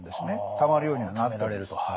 たまるようにはなったんです。